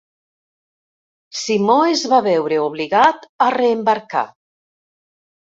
Simó es va veure obligat a reembarcar.